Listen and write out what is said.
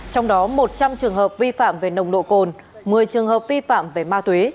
trong đó một trăm linh trường hợp vi phạm về nồng độ cồn một mươi trường hợp vi phạm về ma túy